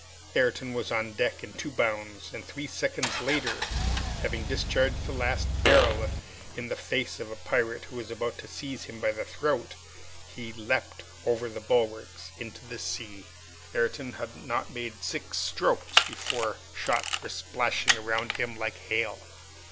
Ayrton was on deck in two bounds, and three seconds later, having discharged his last barrel in the face of a pirate who was about to seize him by the throat, he leaped over the bulwarks into the sea. Ayrton had not made six strokes before shots were splashing around him like hail.